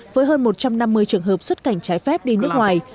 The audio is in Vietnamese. với hơn một trăm năm mươi trường hợp xuất cảnh trái phép đi nước ngoài